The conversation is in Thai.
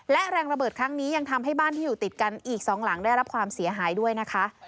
และแรงระเบิดครั้งนี้ยังทำให้บ้านที่อยู่ติดกันอีก๒หลังได้รับความเสียหายด้วยนะคะ